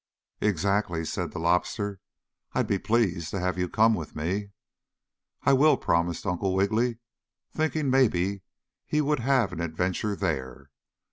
"Exactly," said the Lobster. "I'd be pleased to have you come with me." "I will," promised Uncle Wiggily, thinking maybe he would have an adventure there.